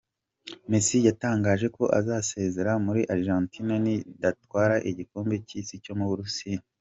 Messi yatangaje ko azasezera muri Argentina nidatwara igikombe cy’isi cyo mu Burusiya.